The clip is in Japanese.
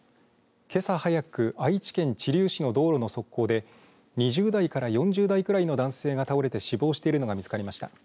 けさ早く愛知県知立市の道路の側溝で２０代から４０代ぐらいの男性が倒れて死亡しているのが見つかりました。